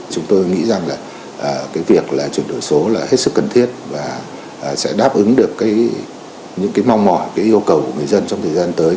chúng tôi nghĩ rằng việc chuyển đổi số là hết sức cần thiết và sẽ đáp ứng được những mong mỏi yêu cầu của người dân trong thời gian tới